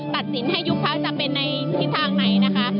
ตัดสินให้ยุบพักจะเป็นในทิศทางไหนนะคะ